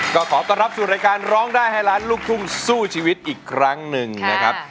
ก็ขอต้อนรับสู่รายการร้องได้ให้ล้านลูกทุ่งสู้ชีวิตอีกครั้งหนึ่งนะครับ